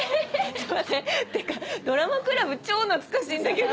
ってかドラマクラブ超懐かしいんだけど！